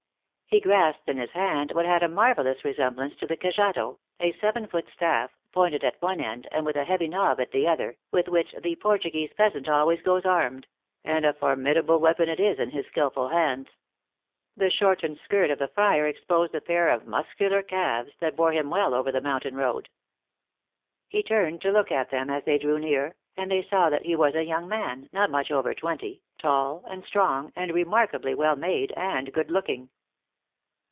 He grasped in his hand what had a marvelous re semblance to the cajadoj a seven foot staff, pointed at one end, and with a heavy knob at the other, with which the Portuguese peasant always goes armed ; and a formidable weapon it is in his skillful hands. The shortened skirt of the friar exposed a pair of mus cular calves, that bore him well over the mountain road. He turned to look at them as they drew near, and they saw that lie was a young man, not much over twenty, tall and strong, and remarkably well made and good looking.